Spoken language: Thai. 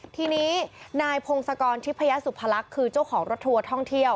ทีนี้นายพงศกรทิพยสุพรรคคือเจ้าของรถทัวร์ท่องเที่ยว